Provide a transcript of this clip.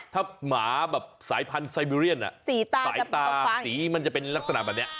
ถ้าหมาแบบสายพันธุ์ไซเบเรียนสายตาสีมันจะเป็นลักษณะแบบนี้